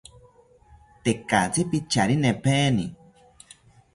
Tekatzi picharinipaeni